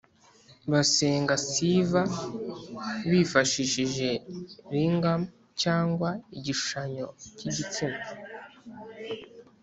basenga siva bifashishije lingam cyangwa igishushanyo cy’igitsina.